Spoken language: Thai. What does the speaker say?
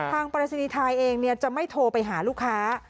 ปรายศนีย์ไทยเองจะไม่โทรไปหาลูกค้า